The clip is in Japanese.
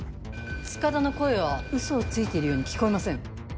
塚田の声はウソをついているように聞こえません。